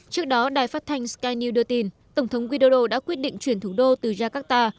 trước đó đài phát thanh scan news đưa tin tổng thống widodo đã quyết định chuyển thủ đô từ jakarta